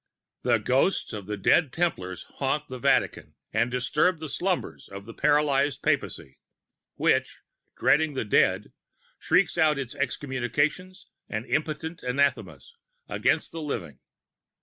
The ghosts of the dead Templars haunt the Vatican and disturb the slumbers of the paralyzed Papacy, which, dreading the dead, shrieks out its excommunications and impotent anathemas against the living.